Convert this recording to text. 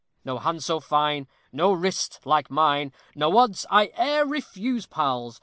No hand so fine, No wrist like mine, No odds I e'er refuse, pals.